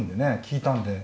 利いたんで。